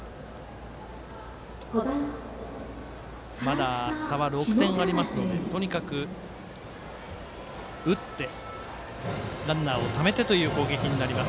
まだ差は６点ありますのでとにかく打って、ランナーをためてという攻撃になります。